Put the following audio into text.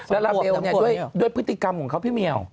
แล้วก็พวกนี้ด้วยพฤติกรรมของเขาพี่เมียว